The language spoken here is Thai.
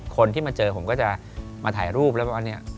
คนที่มาเจอผมก็จะมาถ่ายรูปแล้วบอกว่าเนี่ย